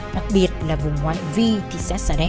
đặc biệt là vùng ngoại vi thị xã sà đét